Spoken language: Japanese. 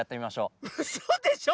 うそでしょ！